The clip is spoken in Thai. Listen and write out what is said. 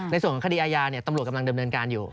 ในส่วนของคดีอาญาตำรวจกำลังดำเนินการอยู่